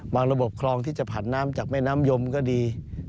ระบบคลองที่จะผันน้ำจากแม่น้ำยมก็ดี